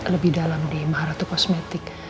lebih dalam di maharatu kosmetik